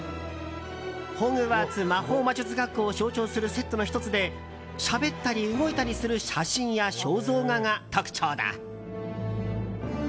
ホグワーツ魔法魔術学校を象徴するセットの１つでしゃべったり動いたりする写真や肖像画が特徴だ。